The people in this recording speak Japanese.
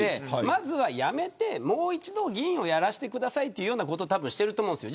まずは辞めてもう一度、議員をやらせてくださいということをしていると思うんです。